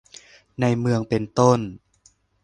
ในเมืองเป็นต้น